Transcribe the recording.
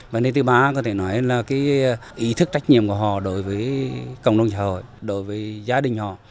vấn đề thứ ba có thể nói là cái ý thức trách nhiệm của họ đối với cộng đồng xã hội đối với gia đình họ